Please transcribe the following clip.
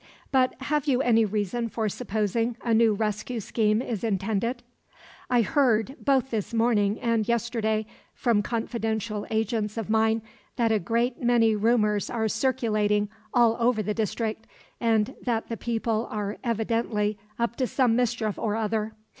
But have you any reason for supposing a new rescue scheme is intended?" "I heard, both this morning and yesterday, from confidential agents of mine, that a great many rumours are circulating all over the district and that the people are evidently up to some mischief or other.